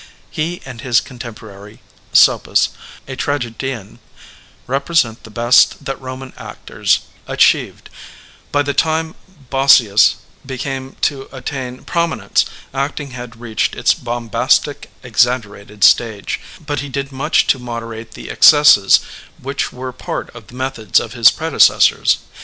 He and his contemporary, ^sopus, a tragedian, represent the best that Soman actors achievecL By the time Boscins began to attain prominence, acting had reached its bombastic, exaggerated stage; but he did much to moderate the excesses whidi were part of the methods of his predecessors.